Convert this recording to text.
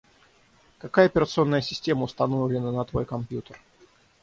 Какая операционная система установлена на твой компьютер?